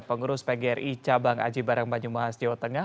pengurus pgri cabang aji barang banyumas jawa tengah